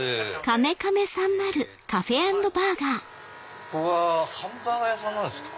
ここはハンバーガー屋さんなんすか？